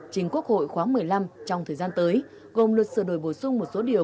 trình quốc hội khóa một mươi năm trong thời gian tới gồm luật sửa đổi bổ sung một số điều